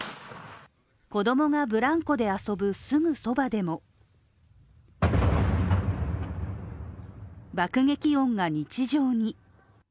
子供がブランコで遊ぶすぐそばでも爆撃音が日常に。